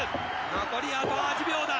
残りあと８秒だ。